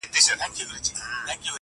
ما چي ورلېږلی وې رویباره جانان څه ویل-